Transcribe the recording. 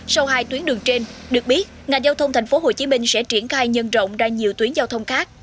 sau hai tuyến đường trên được biết ngành giao thông tp hcm sẽ triển khai nhân rộng ra nhiều tuyến giao thông khác